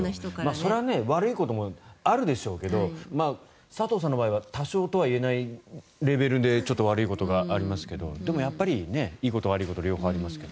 そりゃ悪いこともあるでしょうけど佐藤さんの場合は多少とは言えないレベルで悪いことがありますけどでも、やっぱりいいこと、悪いこと両方ありますから。